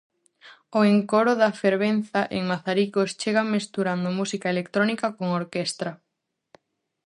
O encoro da fervenza, en Mazaricos, chega mesturando música electrónica con orquestra.